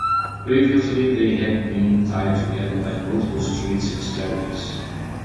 Previously they had been tied together by multiple streets and stairways.